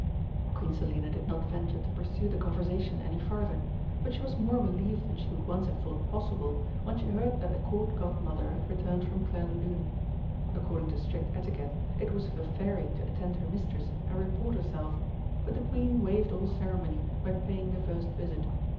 Queen Selina did not venture to pursue the conversation any farther, but she was more relieved than she would once have thought possible when she heard that the Court Godmother had returned from Clairdelune. According to strict etiquette, it was for the Fairy to attend her Mistress and report herself, but the Queen waived all ceremony by paying the first visit.